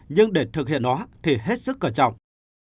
nhưng để thực hiện nó thì hết sức cẩn trọng